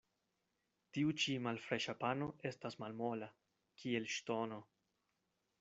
Tiu ĉi malfreŝa pano estas malmola, kiel ŝtono.